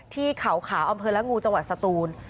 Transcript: ที่เขาขาวอำเภอละงูจังหวัดสตูน